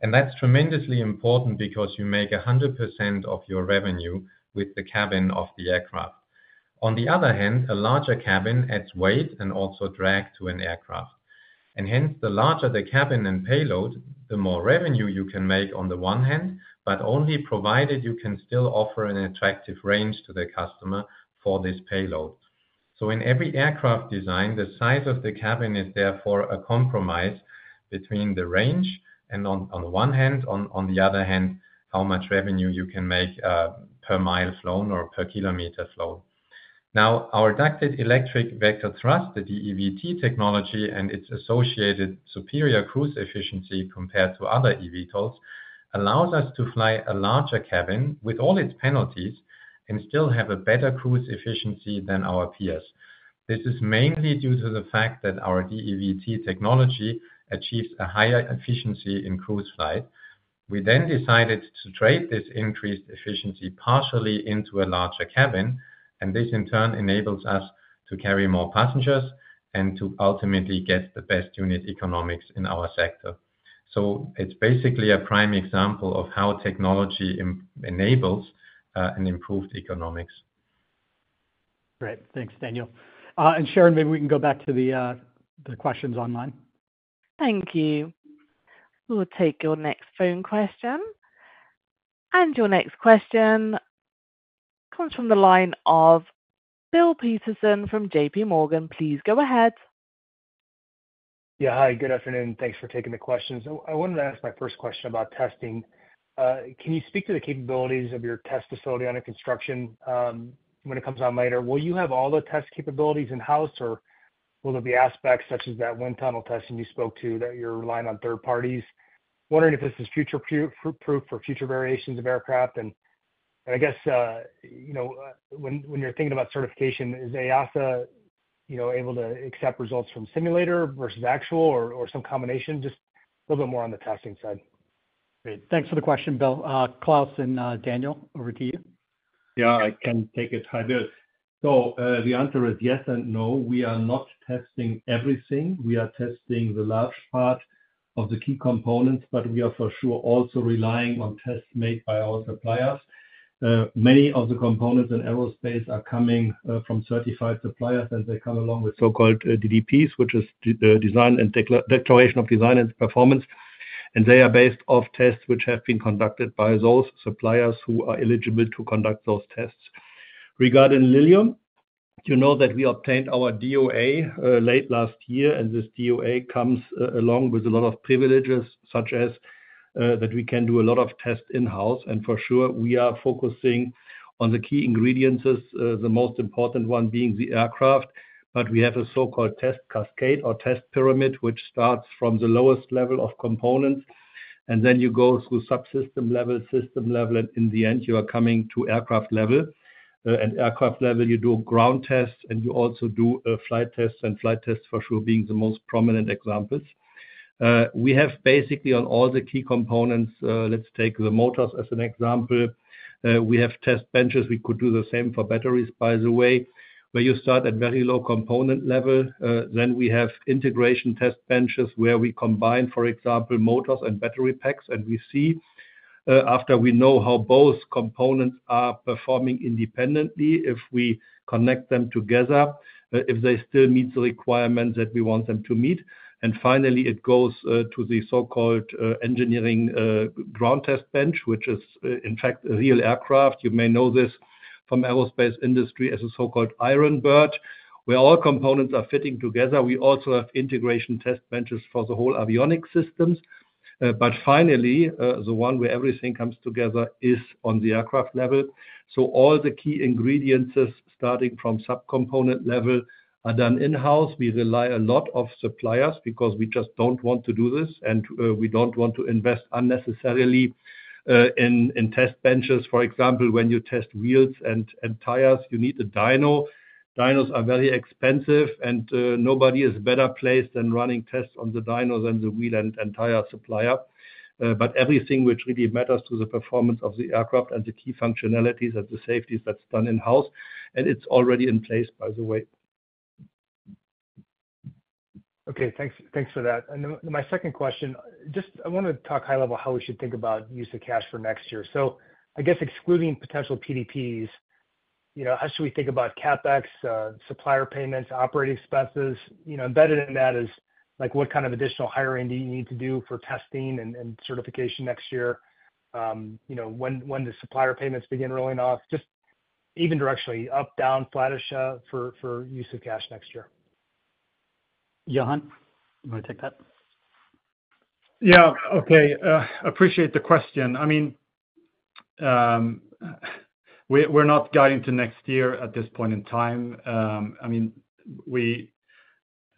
and that's tremendously important because you make 100% of your revenue with the cabin of the aircraft. On the other hand, a larger cabin adds weight and also drag to an aircraft. Hence, the larger the cabin and payload, the more revenue you can make on the one hand, but only provided you can still offer an attractive range to the customer for this payload. In every aircraft design, the size of the cabin is therefore a compromise between the range and, on the one hand, on the other hand, how much revenue you can make per miles flown or per kilometer flown. Now, our Ducted Electric Vectored Thrust, the DEVT technology and its associated superior cruise efficiency compared to other eVTOLs, allows us to fly a larger cabin with all its penalties and still have a better cruise efficiency than our peers. This is mainly due to the fact that our DEVT technology achieves a higher efficiency in cruise flight. We then decided to trade this increased efficiency partially into a larger cabin, and this in turn enables us to carry more passengers and to ultimately get the best unit economics in our sector. So it's basically a prime example of how technology enables an improved economics. Great. Thanks, Daniel. And Sharon, maybe we can go back to the questions online. Thank you. We'll take your next phone question. And your next question comes from the line of Bill Peterson from JPMorgan. Please go ahead. Yeah. Hi. Good afternoon. Thanks for taking the questions. I wanted to ask my first question about testing. Can you speak to the capabilities of your test facility under construction when it comes on later? Will you have all the test capabilities in-house, or will there be aspects such as that wind tunnel testing you spoke to that you're relying on third parties? Wondering if this is future-proof for future variations of aircraft. I guess when you're thinking about certification, is EASA able to accept results from simulator vs actual or some combination? Just a little bit more on the testing side. Great. Thanks for the question, Bill. Klaus and Daniel, over to you. Yeah, I can take it. Hi there. So the answer is yes and no. We are not testing everything. We are testing the large part of the key components, but we are for sure also relying on tests made by our suppliers. Many of the components in aerospace are coming from certified suppliers, and they come along with so-called DDPs, which is Declaration of Design and Performance. They are based off tests which have been conducted by those suppliers who are eligible to conduct those tests. Regarding Lilium, you know that we obtained our DOA late last year, and this DOA comes along with a lot of privileges, such as that we can do a lot of tests in-house. For sure, we are focusing on the key ingredients, the most important one being the aircraft, but we have a so-called test cascade or test pyramid, which starts from the lowest level of components, and then you go through subsystem level, system level, and in the end, you are coming to aircraft level. At aircraft level, you do ground tests, and you also do flight tests, and flight tests for sure being the most prominent examples. We have basically on all the key components, let's take the motors as an example. We have test benches. We could do the same for batteries, by the way, where you start at very low component level. Then we have integration test benches where we combine, for example, motors and battery packs, and we see after we know how both components are performing independently if we connect them together, if they still meet the requirements that we want them to meet. And finally, it goes to the so-called engineering ground test bench, which is in fact a real aircraft. You may know this from aerospace industry as a so-called Ironbird, where all components are fitting together. We also have integration test benches for the whole avionics systems. But finally, the one where everything comes together is on the aircraft level. So all the key ingredients, starting from subcomponent level, are done in-house. We rely a lot on suppliers because we just don't want to do this, and we don't want to invest unnecessarily in test benches. For example, when you test wheels and tires, you need a dyno. Dynos are very expensive, and nobody is better placed than running tests on the dyno than the wheel and tire supplier. But everything which really matters to the performance of the aircraft and the key functionalities and the safety, that's done in-house, and it's already in place, by the way. Okay. Thanks for that. And my second question, just I want to talk high level how we should think about use of cash for next year. So I guess excluding potential PDPs, how should we think about CapEx, supplier payments, operating expenses? Embedded in that is what kind of additional hiring do you need to do for testing and certification next year? When do supplier payments begin rolling off? Just even directionally, up, down, flatter shot for use of cash next year. Johan, you want to take that? Yeah. Okay. Appreciate the question. I mean, we're not guiding to next year at this point in time. I mean,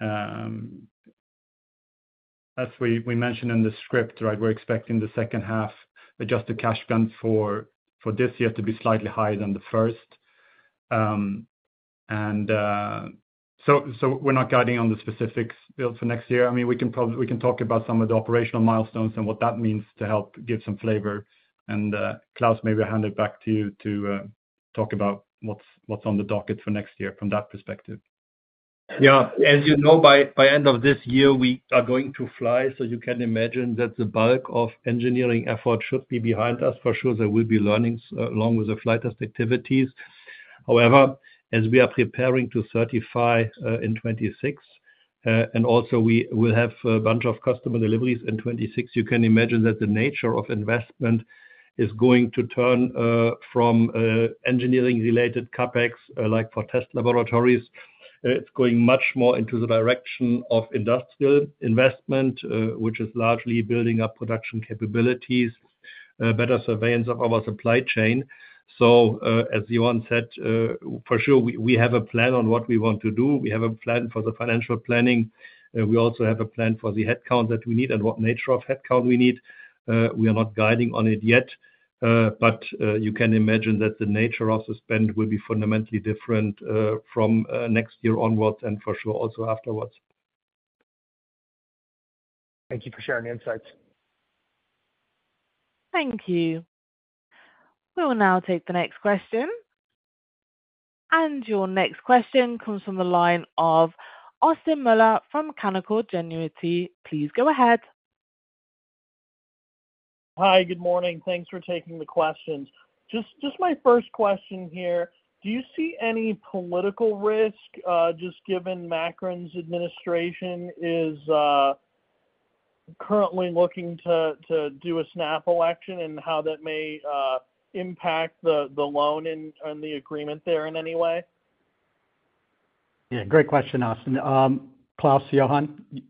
as we mentioned in the script, right, we're expecting the second half adjusted cash fund for this year to be slightly higher than the first. And so we're not guiding on the specifics for next year. I mean, we can talk about some of the operational milestones and what that means to help give some flavor. And Klaus, maybe I'll hand it back to you to talk about what's on the docket for next year from that perspective. Yeah. As you know, by end of this year, we are going to fly. So you can imagine that the bulk of engineering effort should be behind us. For sure, there will be learnings along with the flight test activities. However, as we are preparing to certify in 2026, and also we will have a bunch of customer deliveries in 2026, you can imagine that the nature of investment is going to turn from engineering-related CapEx, like for test laboratories. It's going much more into the direction of industrial investment, which is largely building up production capabilities, better surveillance of our supply chain. So as Johan said, for sure, we have a plan on what we want to do. We have a plan for the financial planning. We also have a plan for the headcount that we need and what nature of headcount we need. We are not guiding on it yet, but you can imagine that the nature of the spend will be fundamentally different from next year onwards and for sure also afterwards. Thank you for sharing insights. Thank you. We will now take the next question. Your next question comes from the line of Austin Moeller from Canaccord Genuity. Please go ahead. Hi. Good morning. Thanks for taking the questions. Just my first question here. Do you see any political risk just given Macron's administration is currently looking to do a snap election and how that may impact the loan and the agreement there in any way? Yeah. Great question, Austin. Klaus, Johan, you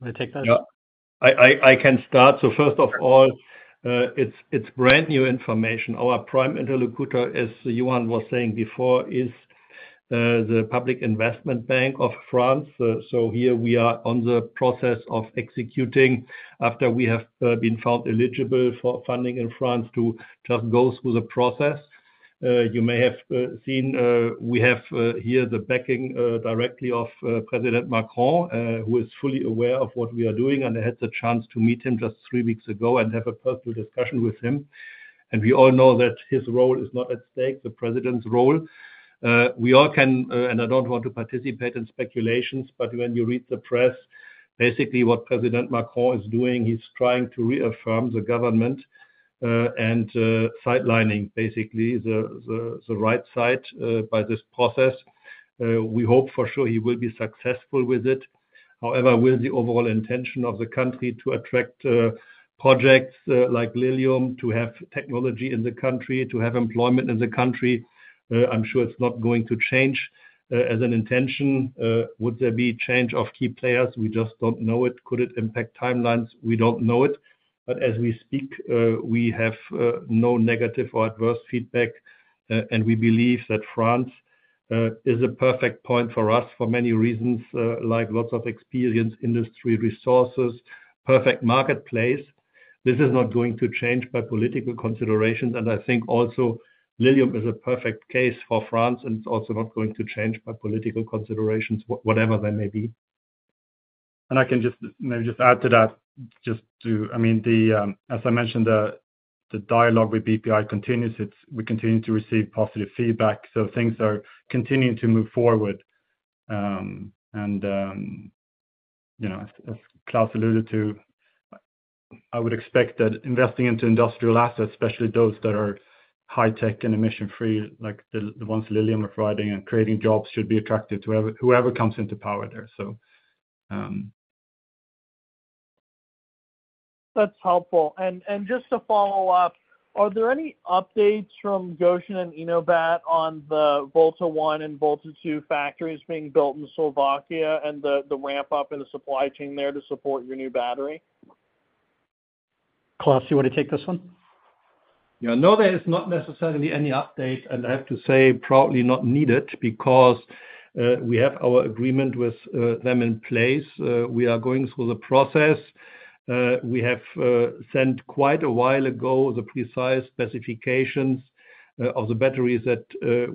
want to take that? Yeah. I can start. So first of all, it's brand new information. Our prime interlocutor, as Johan was saying before, is the Public Investment Bank of France. So here we are on the process of executing after we have been found eligible for funding in France to just go through the process. You may have seen we have here the backing directly of President Macron, who is fully aware of what we are doing, and I had the chance to meet him just three weeks ago and have a personal discussion with him. We all know that his role is not at stake, the president's role. We all can, and I don't want to participate in speculations, but when you read the press, basically what President Macron is doing, he's trying to reaffirm the government and sidelining basically the right side by this process. We hope for sure he will be successful with it. However, with the overall intention of the country to attract projects like Lilium, to have technology in the country, to have employment in the country, I'm sure it's not going to change as an intention. Would there be change of key players? We just don't know it. Could it impact timelines? We don't know it. But as we speak, we have no negative or adverse feedback, and we believe that France is a perfect point for us for many reasons, like lots of experience, industry resources, perfect marketplace. This is not going to change by political considerations. And I think also Lilium is a perfect case for France, and it's also not going to change by political considerations, whatever they may be. And I can just maybe just add to that, just to, I mean, as I mentioned, the dialogue with BPI continues. We continue to receive positive feedback. So things are continuing to move forward. And as Klaus alluded to, I would expect that investing into industrial assets, especially those that are high-tech and emission-free, like the ones Lilium is building and creating jobs, should be attractive to whoever comes into power there, so. That's helpful. And just to follow up, are there any updates from Gotion and InoBat on the Volta I and Volta II factories being built in Slovakia and the ramp-up in the supply chain there to support your new battery? Klaus, you want to take this one? Yeah. No, there is not necessarily any update. And I have to say, probably not needed because we have our agreement with them in place. We are going through the process. We have sent quite a while ago the precise specifications of the batteries that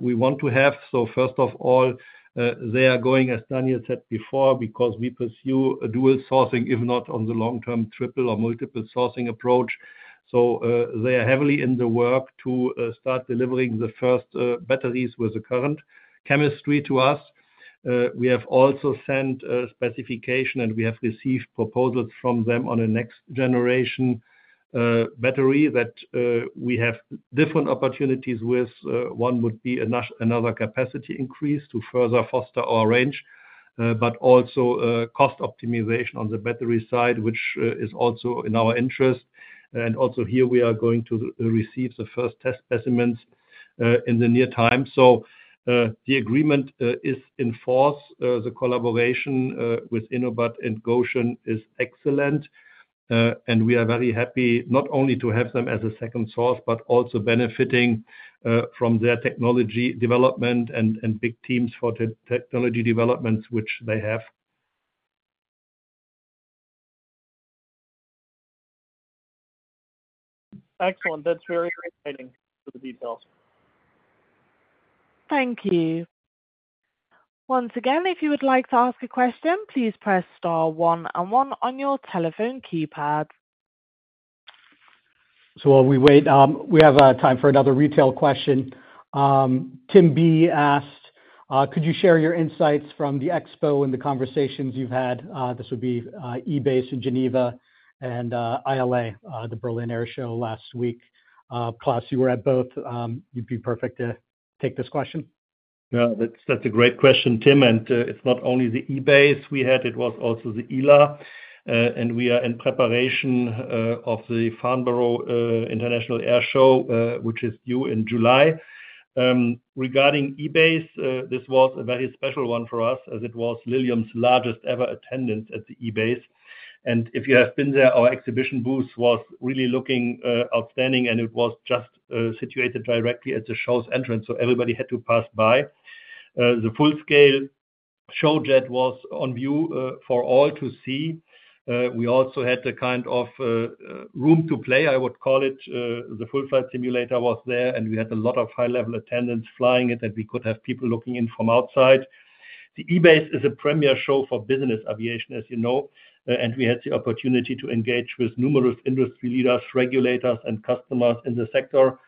we want to have. So first of all, they are going, as Daniel said before, because we pursue dual sourcing, if not on the long-term, triple or multiple sourcing approach. So they are heavily at work to start delivering the first batteries with the current chemistry to us. We have also sent a specification, and we have received proposals from them on a next-generation battery that we have different opportunities with. One would be another capacity increase to further foster our range, but also cost optimization on the battery side, which is also in our interest. And also here, we are going to receive the first test specimens in the near time. So the agreement is in force. The collaboration with InoBat and Gotion is excellent. And we are very happy not only to have them as a second source, but also benefiting from their technology development and big teams for technology developments, which they have. Excellent. That's very exciting, the details. Thank you. Once again, if you would like to ask a question, please press star one and one on your telephone keypad. So while we wait, we have time for another retail question. Tim B asked, "Could you share your insights from the expo and the conversations you've had?" This would be EBACE in Geneva and ILA, the Berlin Air Show last week. Klaus, you were at both. You'd be perfect to take this question. Yeah. That's a great question, Tim. It's not only the EBACE we had. It was also the ILA. We are in preparation of the Farnborough International Airshow, which is due in July. Regarding EBACE, this was a very special one for us as it was Lilium's largest ever attendance at the EBACE. And if you have been there, our exhibition booth was really looking outstanding, and it was just situated directly at the show's entrance. So everybody had to pass by. The full-scale show jet was on view for all to see. We also had the kind of room to play, I would call it. The full-flight simulator was there, and we had a lot of high-level attendance flying it, and we could have people looking in from outside. The EBACE is a premier show for business aviation, as you know. We had the opportunity to engage with numerous industry leaders, regulators, and customers in the sector.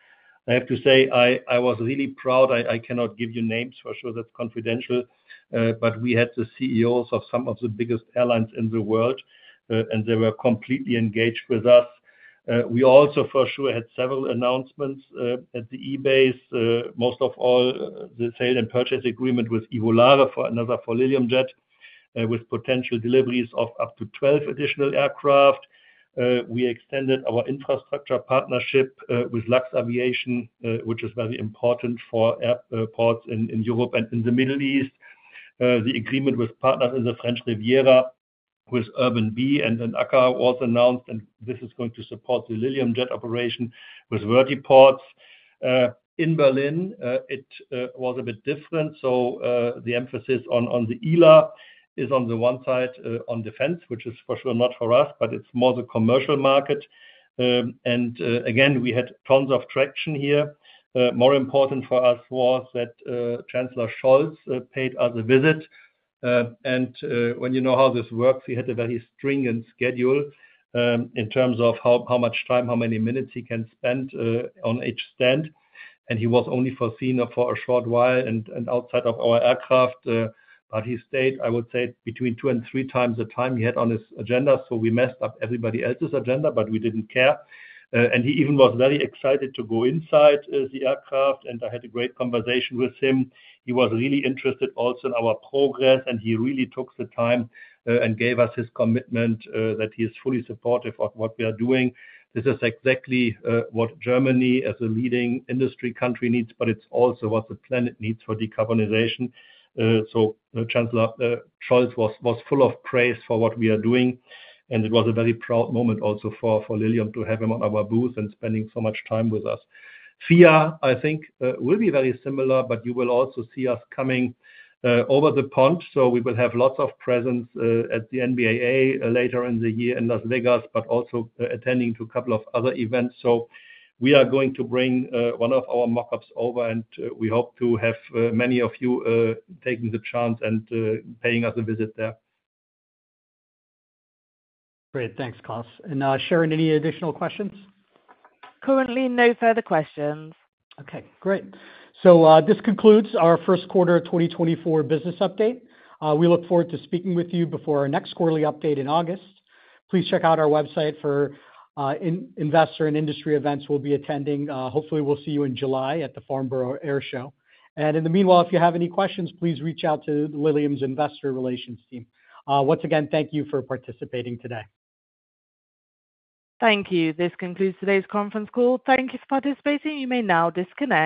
I have to say, I was really proud. I cannot give you names for sure. That's confidential. But we had the CEOs of some of the biggest airlines in the world, and they were completely engaged with us. We also for sure had several announcements at the EBACE, most of all the sale and purchase agreement with Volare for another Lilium Jet with potential deliveries of up to 12 additional aircraft. We extended our infrastructure partnership with Luxaviation, which is very important for airports in Europe and in the Middle East. The agreement with partners in the French Riviera with UrbanV and then ACA was announced, and this is going to support the Lilium Jet operation with vertiports. In Berlin, it was a bit different. So the emphasis on the ILA is on the one side on defense, which is for sure not for us, but it's more the commercial market. And again, we had tons of traction here. More important for us was that Chancellor Scholz paid us a visit. And when you know how this works, he had a very stringent schedule in terms of how much time, how many minutes he can spend on each stand. And he was only foreseen for a short while and outside of our aircraft. But he stayed, I would say, between two and three times the time he had on his agenda. We messed up everybody else's agenda, but we didn't care. He even was very excited to go inside the aircraft, and I had a great conversation with him. He was really interested also in our progress, and he really took the time and gave us his commitment that he is fully supportive of what we are doing. This is exactly what Germany as a leading industry country needs, but it's also what the planet needs for decarbonization. Chancellor Scholz was full of praise for what we are doing. It was a very proud moment also for Lilium to have him on our booth and spending so much time with us. FIA, I think, will be very similar, but you will also see us coming over the pond. So we will have lots of presence at the NBAA later in the year in Las Vegas, but also attending to a couple of other events. So we are going to bring one of our mockups over, and we hope to have many of you taking the chance and paying us a visit there. Great. Thanks, Klaus. And Sharon, any additional questions? Currently, no further questions. Okay. Great. So this concludes our first quarter 2024 business update. We look forward to speaking with you before our next quarterly update in August. Please check out our website for investor and industry events we'll be attending. Hopefully, we'll see you in July at the Farnborough Air Show. And in the meanwhile, if you have any questions, please reach out to Lilium's investor relations team. Once again, thank you for participating today. Thank you. This concludes today's conference call. Thank you for participating. You may now disconnect.